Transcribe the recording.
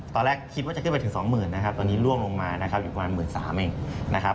ตอนแรกคิดว่าจะขึ้นไปถึง๒๐๐๐๐บาทตอนนี้ล่วงลงมาอยู่ประมาณ๑๓๐๐๐บาท